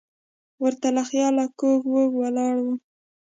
ور ته له خیاله کوږه وږه ولاړه وه.